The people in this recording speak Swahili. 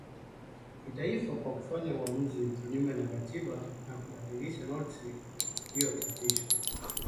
kitaifa kwa kufanya uamuzi kinyume na katiba na kubatilisha notisi iliyochapishwa